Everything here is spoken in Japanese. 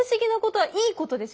はい。